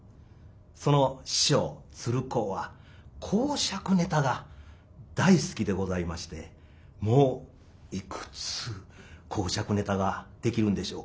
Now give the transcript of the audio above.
その師匠鶴光は講釈ネタが大好きでございましてもういくつ講釈ネタができるんでしょうか。